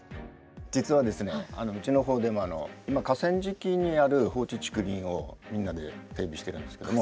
実はですねうちの方でも今河川敷にある放置竹林をみんなで整備してるんですけども。